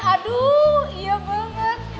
aduh iya banget